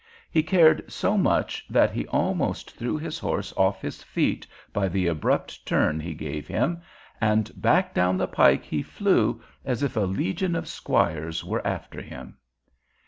He cared so much that he almost threw his horse off his feet by the abrupt turn he gave him, and back down the pike he flew as if a legion of squires were after him.